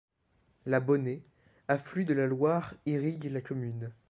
La Bonnée, affluent de la Loire irrigue la commune.